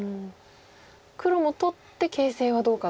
黒も取って形勢はどうかという。